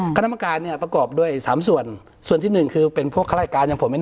คณะกรรมการเนี่ยประกอบด้วยสามส่วนส่วนที่หนึ่งคือเป็นพวกข้าราชการอย่างผมเอง